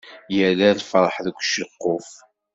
Yerra lferḥ deg uceqquf.